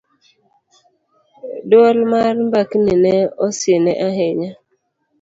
dwol mar mbakgi ne osine ahinya